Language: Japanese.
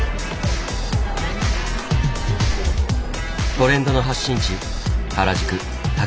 トレンドの発信地